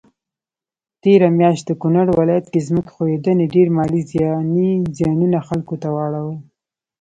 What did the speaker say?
تيره مياشت د کونړ ولايت کي ځمکي ښویدني ډير مالي ځانی زيانونه خلکوته واړول